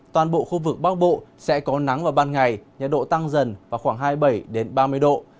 toàn bộ khu vực bắc bộ sẽ có nắng vào ban ngày nhiệt độ tăng dần vào khoảng hai mươi bảy ba mươi độ